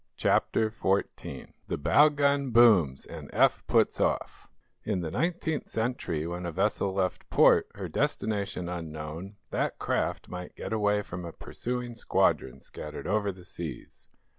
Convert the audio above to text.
CHAPTER XIV THE BOW GUN BOOMS AND EPH PUTS OFF In the nineteenth century, when a vessel left port, her destination unknown, that craft might get away from a pursuing squadron scattered over the seas.